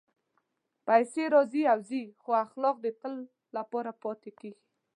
پېسې راځي او ځي، خو اخلاق د تل لپاره پاتې کېږي.